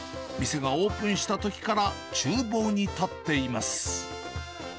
店がオープンしたときからちゅう房に立っています。